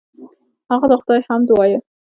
هغه د خدای حمد وایه.